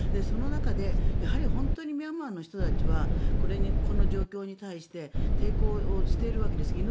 その中で、やはり本当にミャンマーの人たちはこの状況に対して抵抗しているわけです。